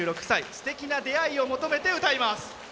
すてきな出会いを求めて歌います。